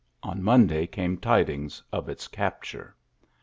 On Mo came tidings of its capture.